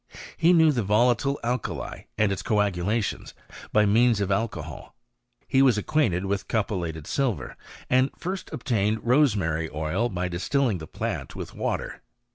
He knew the volatile alkali and its coagulations by means of alco hol. He was acquainted with cupeUated silver, and first obtained rosemary oil by distilling the plant with water.